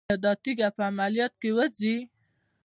ایا دا تیږه په عملیات وځي؟